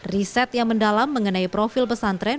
riset yang mendalam mengenai profil pesantren